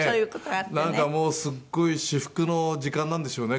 なんかもうすごい至福の時間なんでしょうね。